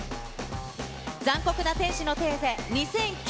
残酷な天使のテーゼ２００９